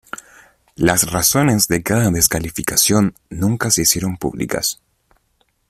Las razones de cada descalificación nunca se hicieron públicas.